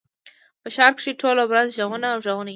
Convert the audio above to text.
په ښار کښي ټوله ورځ ږغونه او ږغونه يي.